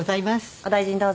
お大事にどうぞ。